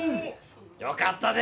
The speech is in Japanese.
よかったで！